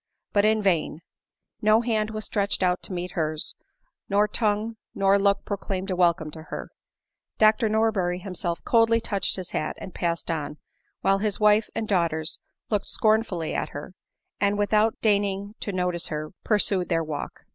But in vain; no hand was stretched out to meet hers, nor tongue nor look proclaimed a welcome to her; Dr Nor berry himself coldly touched his hat, and passed on, while his wife and daughters looked scornfully at her, and, without deigning to notice her, pursued their walk.